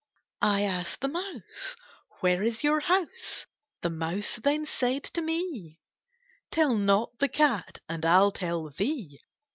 I asked the mouse, * Where is your house ?' The mouse then said to me, * Tell not the cat And I '11 tell thee.